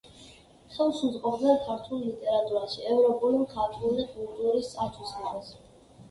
ხელს უწყობდნენ ქართულ ლიტერატურაში ევროპული მხატვრული კულტურის ათვისებას.